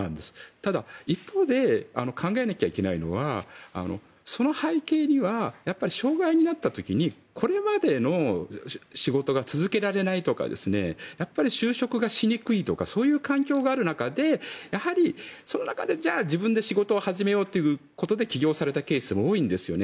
ただ一方で考えなきゃいけないのはその背景には障害になった時にこれまでの仕事が続けられないとか就職がしにくいとかそういう環境がある中でやはり、その中でじゃあ自分で仕事を始めようということで起業される方も多いんですよね。